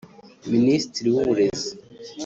Minisitiri w’uburezi